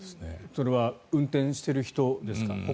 それは運転している人ですか？